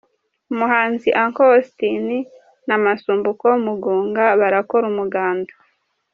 Umuhanzi Uncle Austin na Masumbuko Mugunga barakora umuganda.